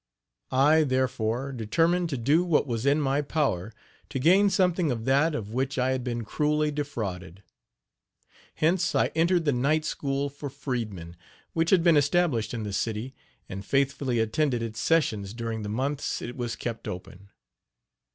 I, therefore, determined to do what was in my power to gain something of that of which I had been cruelly defrauded. Hence I entered the night school for freedmen, which had been established in the city, and faithfully attended its sessions during the months it was kept open.